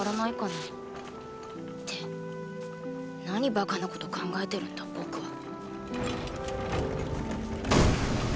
って何バカなこと考えてるんだ僕は。